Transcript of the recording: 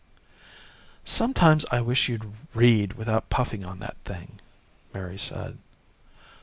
"Sometimes I wish you'd read without puffing on that thing," Mary said.